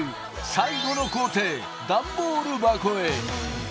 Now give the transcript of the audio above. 最後の工程ダンボール箱へ。